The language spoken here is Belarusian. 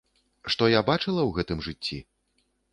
Што я бачыла ў гэтым жыцці?